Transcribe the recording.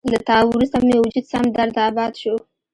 له تا وروسته مې وجود سم درداباد شو